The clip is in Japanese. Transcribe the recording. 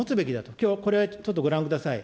きょう、ちょっとご覧ください。